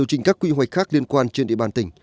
trong trình các quy hoạch khác liên quan trên địa bàn tỉnh